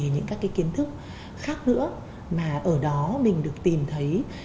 những các kiến thức khác nữa mà ở đó mình được tìm thấy